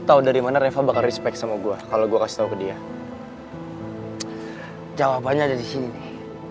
tau dari mana reva bakal respect sama gua kalau gua kasih tahu ke dia jawabannya ada di sini nih